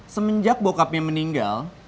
semenjak bokapnya meninggal